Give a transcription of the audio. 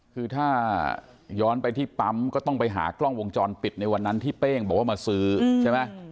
คือถ้าย้อนไปที่ปั๊มก็ต้องไปหากล้องวงจรปิดในวันนั้นที่เป้งบอกว่ามาซื้อใช่ไหม